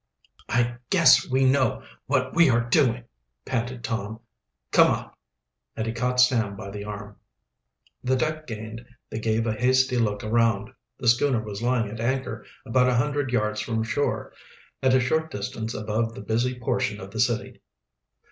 "I guess we know what we are doing!" panted Tom. "Come on!" And he caught Sam by the arm. The deck gained, they gave a hasty look around. The schooner was lying at anchor about a hundred yards from shore, at a short distance above the busy portion of the city.